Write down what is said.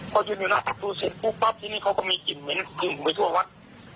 พอยืนอยู่หน้าประตูเสร็จปุ๊บปั๊บทีนี้เขาก็มีกลิ่นเหม็นกลิ่นไปทั่ววัด